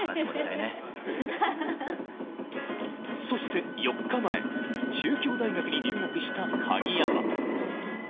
そして４日前、中京大学に入学した鍵山。